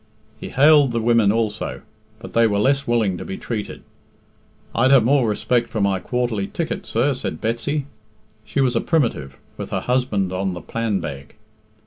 He hailed the women also, but they were less willing to be treated. "I'd have more respect for my quarterly ticket, sir," said Betsy she was a Primitive, with her husband on the "Planbeg."